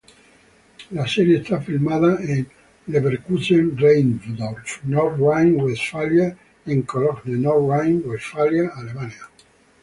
La serie es filmada en Leverkusen-Rheindorf, North Rhine-Westphalia y en Cologne, North Rhine-Westphalia, Alemania.